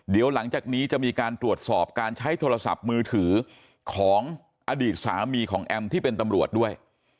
เดี๋ยวหลังจากนี้จะมีการตรวจสอบการใช้โทรศัพท์มือถือของอดีตสามีของแอมที่เป็นตำรวจด้วย